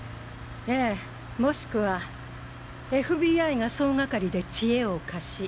ええもしくはＦＢＩが総がかりで知恵を貸し